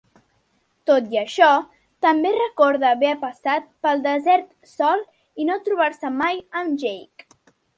Tot i això, també recorda haver passat pel desert sol i no trobar-se mai amb Jake.